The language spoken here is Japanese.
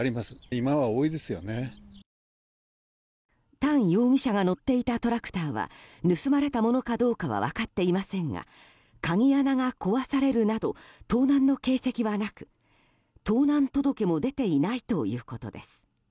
タン容疑者が乗っていたトラクターは盗まれたものかどうかは分かっていませんが鍵穴が壊されるなど盗難の形跡はなく盗難届も出ていないということです。